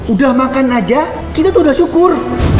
udah makan aja kita tuh udah syukur